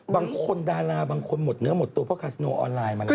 บางคนดาราบางคนหมดเนื้อหมดตัวเพราะคาสโนออนไลน์มาแล้ว